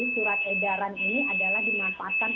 surat edaran ini adalah dimanfaatkan